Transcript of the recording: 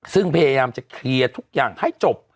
ซึ่งพยายามจะเคลียร์ทุกอย่างให้จบ